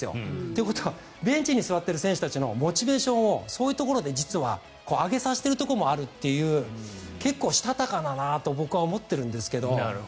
ということはベンチに座っている選手たちのモチベーションをそういうところで上げさせているところもあるという結構、したたかだなと僕は思っているんですが。